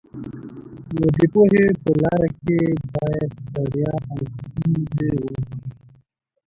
د پوهې په لاره کې باید ستړیا او ستونزې وزغمو.